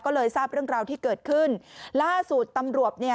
ก็เลยทราบเรื่องราวที่เกิดขึ้นล่าสุดตำรวจเนี่ย